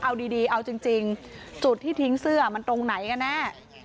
เอาดีเอาจริงจุดที่ทิ้งเสื้อมันตรงไหนกันแน่